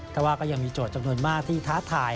แต่ว่าก็ยังมีโจทย์จำนวนมากที่ท้าทาย